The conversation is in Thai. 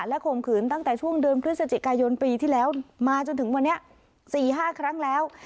ข่มขืนตั้งแต่ช่วงเดือนพฤศจิกายนปีที่แล้วมาจนถึงวันนี้๔๕ครั้งแล้ว